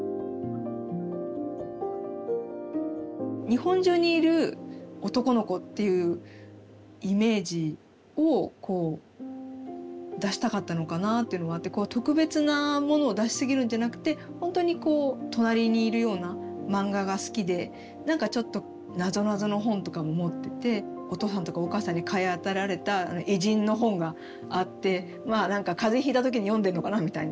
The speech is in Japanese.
日本中にいる男の子っていうイメージをこう出したかったのかなっていうのがあって特別なものを出しすぎるんじゃなくてほんとにこう隣にいるような漫画が好きで何かちょっとなぞなぞの本とかも持っててお父さんとかお母さんに買い与えられた偉人の本があって何か風邪ひいた時に読んでんのかなみたいな感じがあったり。